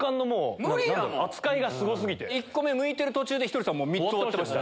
１個目むいてる途中でひとりさん３つ終わってました。